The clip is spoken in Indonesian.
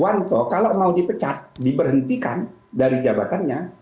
jadi profesor aswanto kalau mau dipecat diberhentikan dari jabatannya